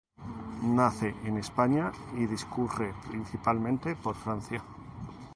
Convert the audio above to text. Nace en España y discurre principalmente por Francia.